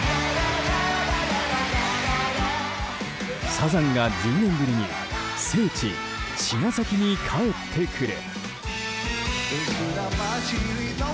サザンが１０年ぶりに聖地・茅ヶ崎に帰ってくる！